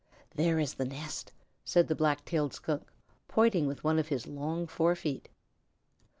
"There is the nest," said the Black tailed Skunk, pointing with one of his long forefeet.